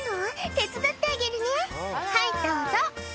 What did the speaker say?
「手伝ってあげるねはいどうぞ」